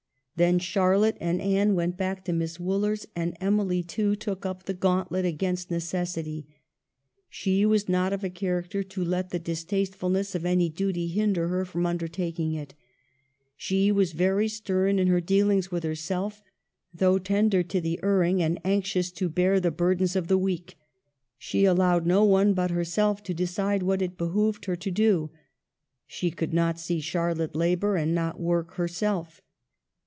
Then Charlotte and Anne went back to Miss Wooler's, and Emily, too, took up the gauntlet against neces sity. She was not of a character to let the distastefulness of any duty hinder her from undertaking it. She vvas very stern in her deal ings with herself, though tender to the erring, and anxious to bear the burdens of the weak. She allowed no one but herself to decide what it behoved her to do. She could not see Char lotte labor, and not work herself.